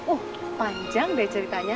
uh panjang deh ceritanya